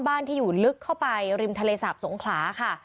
ที่อยู่ลึกเข้าไปริมทะเลสาบสงขลาค่ะ